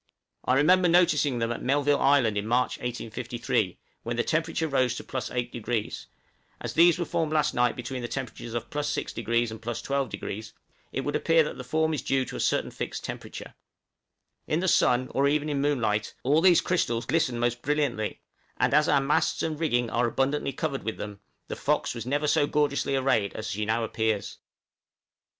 I remember noticing them at Melville Island in March, 1853, when the temperature rose to +8°; as these were formed last night between the temperatures of +6° and +12°, it would appear that the form is due to a certain fixed temperature. In the sun, or even in moonlight, all these crystals glisten most brilliantly; and as our masts and rigging are abundantly covered with them, the 'Fox' never was so gorgeously arrayed as she now appears.